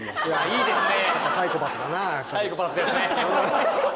いいですね。